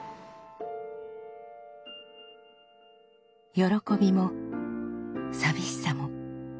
喜びも寂しさも。